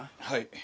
はい。